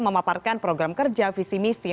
memaparkan program kerja visi misi